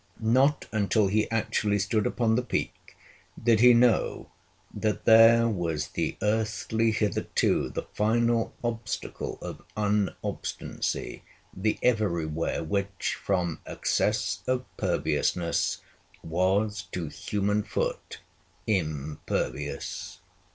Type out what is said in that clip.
Not until he actually stood upon the peak did he know that there was the earthly hitherto the final obstacle of unobstancy, the everywhere which, from excess of perviousness, was to human foot impervious.